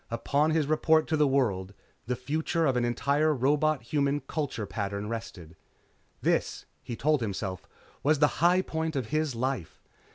Upon his report to the world, the future of an entire robot human culture pattern rested. This, he told himself, was the high point of his life.